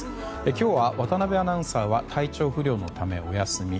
今日は渡辺アナウンサーは体調不良のためお休み。